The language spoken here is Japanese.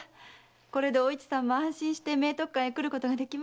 これでおいちさんも安心して明徳館へ来ることができます。